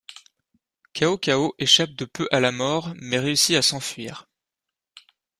Cao Cao échappe de peu à la mort, mais réussit à s'enfuir.